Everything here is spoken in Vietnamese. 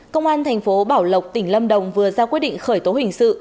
công an thành phố bảo lộc tỉnh lâm đồng vừa ra quyết định khởi tố hình sự